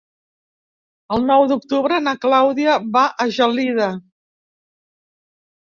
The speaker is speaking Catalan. El nou d'octubre na Clàudia va a Gelida.